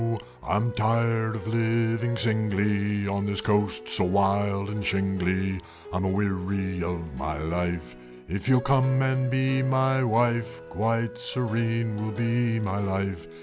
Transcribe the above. "I am tired of living singly On this coast so wild and shingly, I'm a weary of my life; If you'll come and be my wife, Quite serene would be my life!"